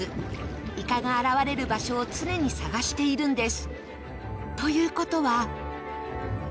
イカが現れる場所を常に探しているんです。